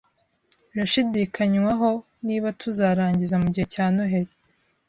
Birashidikanywaho niba tuzarangiza mugihe cya Noheri.